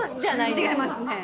違いますね。